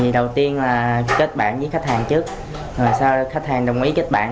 đầu tiên là kết bạn với khách hàng trước sau đó khách hàng đồng ý kết bạn